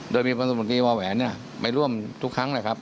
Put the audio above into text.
โดยมีประสบกีวาแหวนเนี่ยไปร่วมทุกครั้งเลยครับ